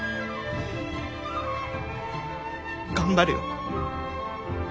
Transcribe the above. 頑張るよ。